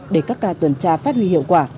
để các ca tuần tra phát huy hiệu quả